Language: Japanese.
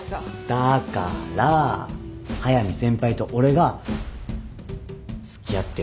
だから速見先輩と俺が付き合ってるとかそういう。